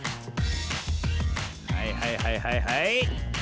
はいはいはいはいはい。